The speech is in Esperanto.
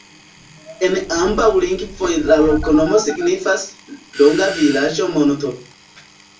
En ambaŭ lingvoj la loknomo signifas: longa vilaĝo-monto.